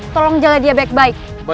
tolong jalan dia baik baik